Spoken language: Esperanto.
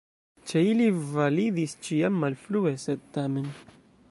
Ĉe ili validis ĉiam: "malfrue, sed tamen".